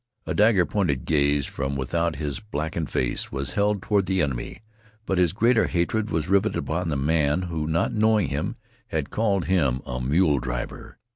A dagger pointed gaze from without his blackened face was held toward the enemy, but his greater hatred was riveted upon the man, who, not knowing him, had called him a mule driver.